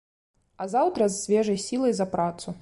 А заўтра з свежай сілай за працу.